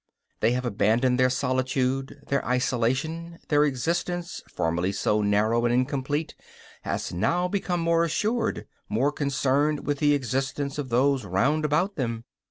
They have abandoned their solitude, their isolation; their existence, formerly so narrow and incomplete, has now become more assured, more concerned with the existence of those round about them.